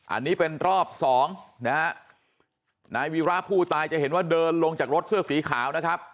อันนี้เป็นรอบสองนะฮะนายวีระผู้ตายจะเห็นว่าเดินลงจากรถเสื้อสีขาวนะครับ